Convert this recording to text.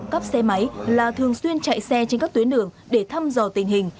cắp xe máy là thường xuyên chạy xe trên các tuyến đường để thăm dò tình hình